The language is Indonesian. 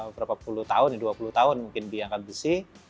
berapa puluh tahun dua puluh tahun mungkin diangkat besi